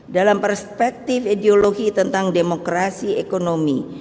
dalam perspektif ideologi tentang demokrasi ekonomi